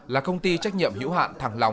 là công ty trách nhiệm hữu hạn thằng lòng